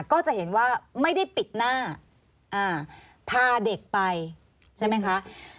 ก็จะเห็นว่าไม่ได้ปิดหน้าพาเด็กไปใช่ไหมคะ